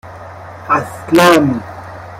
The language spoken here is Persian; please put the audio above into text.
اَسلَم